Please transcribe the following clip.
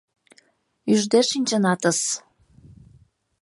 — Ӱжде шинчынатыс.